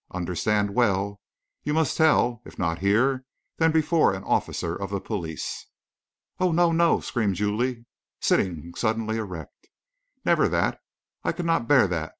"Understand well, you must tell if not here, then before an officer of the police." "Oh, no, no!" screamed Julie, sitting suddenly erect. "Never that! I could not bear that!